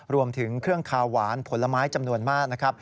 รวมถึงเครื่องคาววานผลไม้จำนวนมาก